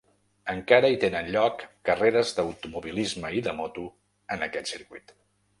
Encara hi tenen lloc carreres d'automobilisme i de moto en aquest circuit.